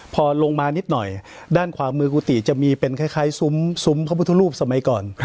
พอลงมานิดหน่อยด้านขวามือกุฏิจะมีเป็นคล้ายซุ้มพระพุทธรูปสมัยก่อน